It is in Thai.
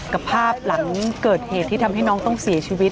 กับภาพหลังเกิดเหตุที่ทำให้น้องต้องเสียชีวิต